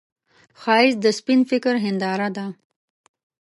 ښایست د سپين فکر هنداره ده